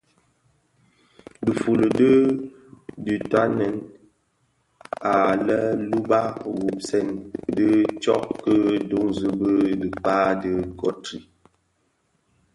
Difuli dü dyotanè anë lè luba gubsèn dhi tsog ki dunzi bi dhikpää di Guthrie.